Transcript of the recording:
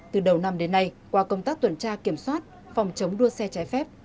từ đầu năm đến nay qua công tác tuần tra kiểm soát phòng chống đua xe trái phép